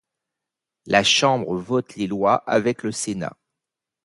La Chambre vote les lois avec le Sénat.